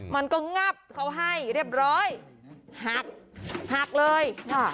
มันก็งับเขาให้เรียบร้อยหักเลย